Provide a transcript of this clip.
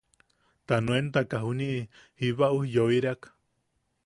Ta nuentaka juniʼi, jiba ujyoireak.